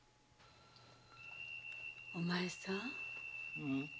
お前さん。